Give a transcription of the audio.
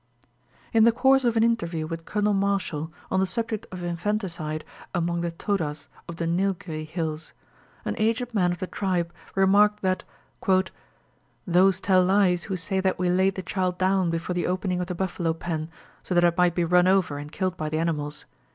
In the course of an interview with Colonel Marshall on the subject of infanticide among the Todas of the Nilgiri hills, an aged man of the tribe remarked that "those tell lies who say that we laid the child down before the opening of the buffalo pen, so that it might be run over and killed by the animals.